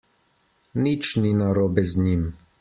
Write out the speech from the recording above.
Nič ni narobe z njim.